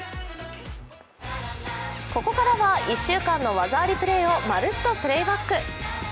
ここからは１週間の技ありプレーを「まるっと！Ｐｌａｙｂａｃｋ」。